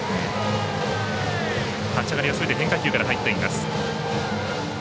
立ち上がりすべて変化球から入っています。